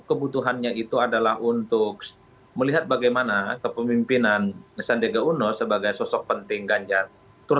kebutuhannya itu adalah untuk melihat bagaimana kepemimpinan sandega uno sebagai sosok penting ganjar